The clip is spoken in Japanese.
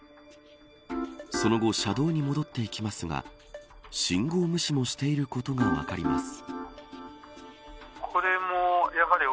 その後、車道に戻っていきますが信号無視もしていることが分かります。